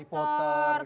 harry potter gitu ya